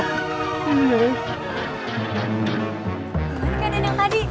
gimana keadaan yang tadi